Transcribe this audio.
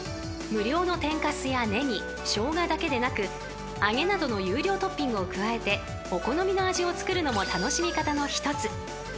［無料の天かすやネギショウガだけでなくあげなどの有料トッピングを加えてお好みの味を作るのも楽しみ方の一つ］